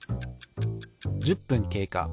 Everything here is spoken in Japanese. １０分経過。